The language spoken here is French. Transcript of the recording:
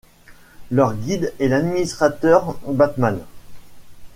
Leur guide est l'administrateur Badman.